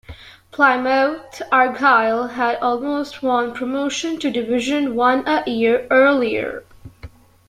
Plymouth Argyle had almost won promotion to Division One a year earlier.